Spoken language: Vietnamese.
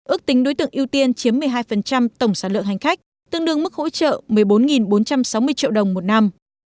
ước tính đối tượng ưu tiên chiếm một mươi hai tổng sản lượng hành khách tương đương mức hỗ trợ một mươi bốn bốn trăm sáu mươi triệu đồng một năm